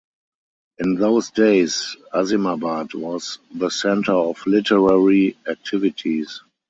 In those days Azimabad was the center of literary activities.